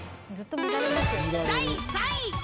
第３位。